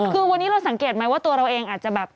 คือวันนี้เราสังเกตไหมว่าตัวเราเองอาจจะแบบ